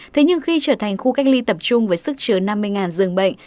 thế nhưng khi trở thành khu cách ly tập trung với sức chứa năm mươi giường bệnh